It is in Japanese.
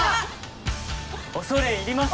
恐れ入ります。